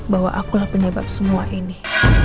bahwa akulah penyebab semua ini